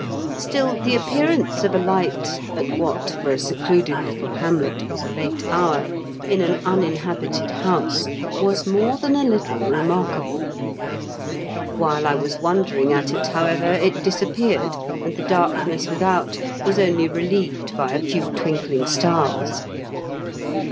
Still the appearance of a light at what, for a secluded little hamlet, was a late hour, in an uninhabited house, was more than a Httle remarkable. While I was wondering at it, however, it disappeared, and the darkness with out was only relieved by a few twinkling stars.